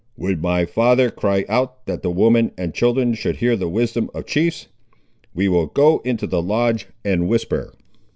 "Would my father cry out, that the women and children should hear the wisdom of chiefs! We will go into the lodge and whisper."